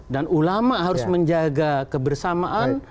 dan ulama harus menjaga kebersamaan